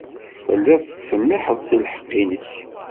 Telliḍ tettsemmiḥeḍ seg lḥeqq-nnek.